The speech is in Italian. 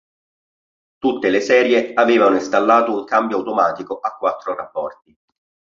Tutte le serie avevano installato un cambio automatico a quattro rapporti.